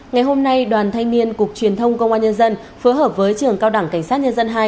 ngày hôm nay đoàn thanh niên cục truyền thông công an nhân dân phối hợp với trường cao đẳng cảnh sát nhân dân hai